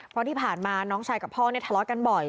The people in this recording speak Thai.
เพราะที่ผ่านมาน้องชายกับพ่อเนี่ยทะเลาะกันบ่อย